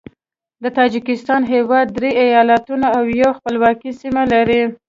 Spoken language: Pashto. د تاجکستان هیواد درې ایالتونه او یوه خپلواکه سیمه لري.